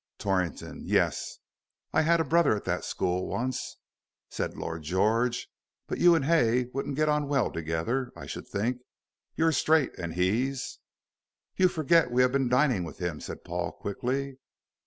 "Torrington. Yes. I had a brother at that school once," said Lord George, "but you and Hay wouldn't get on well together, I should think. You're straight, and he's " "You forget, we have been dining with him," said Paul, quickly.